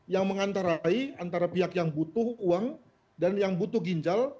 yang mengantarai antara pihak yang butuh uang dan yang butuh ginjal